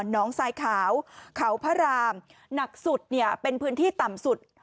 น้องทรายขาวเขาพระรามหนักสุดเนี่ยเป็นพื้นที่ต่ำสุด